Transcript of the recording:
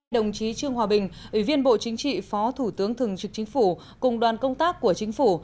đồng chí trương hòa bình ủy viên bộ chính trị phó thủ tướng thường trực chính phủ cùng đoàn công tác của chính phủ